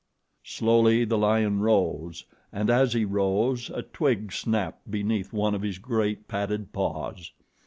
Slowly the lion rose, and as he rose, a twig snapped beneath one of his great, padded paws.